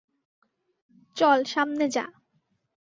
চল, সামনে যা!